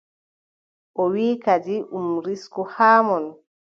O wiʼi kadi ɗum risku haa mon.